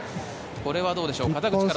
これはどうでしょうか。